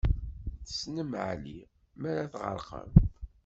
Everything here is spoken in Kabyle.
Tessnem Ɛli m'ara tɣerqem!